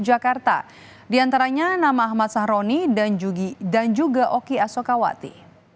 jakarta diantaranya nama ahmad sahroni dan juga oki asokawati